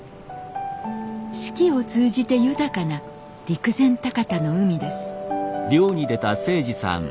四季を通じて豊かな陸前高田の海です。